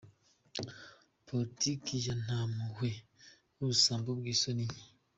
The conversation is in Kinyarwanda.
Politiki ya ‘nta mpuhwe’ n’ubusambo bw’isoni nke